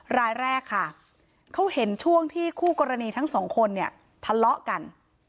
รายแรกค่ะเขาเห็นช่วงที่คู่กรณีทั้งสองคนเนี่ยทะเลาะกัน